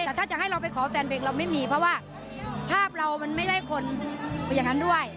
แต่ถ้าจะให้เราไปขอแฟนเพลงเราไม่มีเพราะว่าภาพเรามันไม่ได้คนอย่างนั้นด้วย